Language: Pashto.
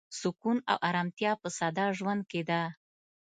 سکون او ارامتیا په ساده ژوند کې ده.